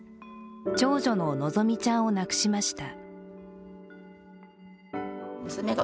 長女ののぞみちゃんを亡くしました。